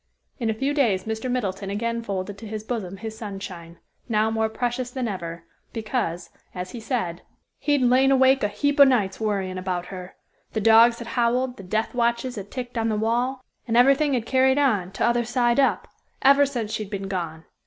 In a few days Mr. Middleton again folded to his bosom his Sunshine, now more precious than ever, because, as he said, "He'd lain awake a heap o' nights, worryin' about her. The dogs had howled, the death watches had ticked on the wall, and everything had carried on, t'other side up, ever since she'd been gone.